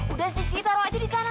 udah sisi taruh aja di sana